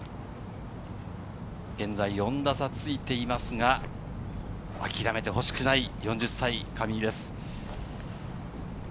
現在４打差ついていますが、諦めてほしくない、４０歳の上井です。